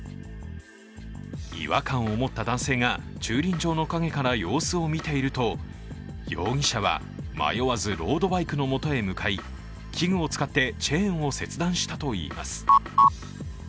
違和感を持った男性が駐輪場の陰から様子を見ていると容疑者は迷わずロードバイクのもとへ向かい、器具を使ってチェーンを切断したといいます。